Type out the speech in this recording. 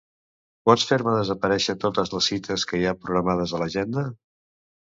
Pots fer-me desaparèixer totes les cites que hi ha programades a l'agenda?